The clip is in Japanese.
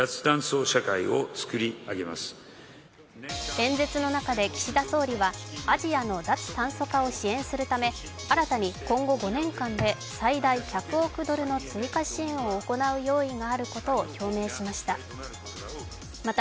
演説の中で岸田総理はアジアの脱炭素化を支援するため新たに今後５年間で最大１００億ドルの追加支援を行う用意があることを表明しました。